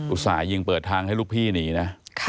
ส่าห์ยิงเปิดทางให้ลูกพี่หนีนะ